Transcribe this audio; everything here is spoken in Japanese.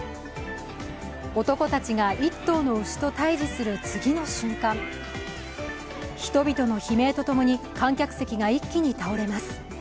男たちが１頭の牛と対峙する次の瞬間人々の悲鳴と共に観客席が一気に倒れます。